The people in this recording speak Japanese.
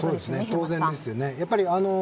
当然ですよね。